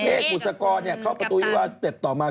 บุษกรเข้าประตูวิวาสเต็ปต่อมา